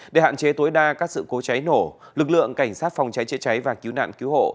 để hạn chế tối đa các sự cố cháy nổ lực lượng cảnh sát phòng cháy chữa cháy và cứu nạn cứu hộ